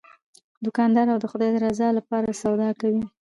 دوکاندار د خدای د رضا لپاره سودا کوي.